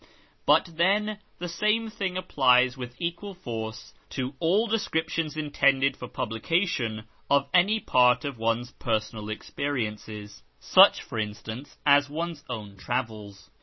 But then the same thing applies with equal force to all descriptions intended for publication of any part of one's personal experiences — such, for instance, as one's own travels.